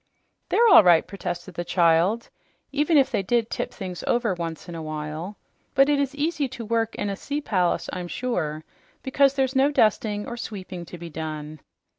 "They're all right," protested the child, "even if they did tip things over once in a while. But it is easy to work in a sea palace, I'm sure, because there's no dusting or sweeping to be done."